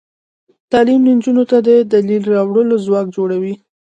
تعلیم نجونو ته د دلیل راوړلو ځواک ورکوي.